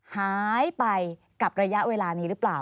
หายไปกับระยะเวลานี้หรือเปล่า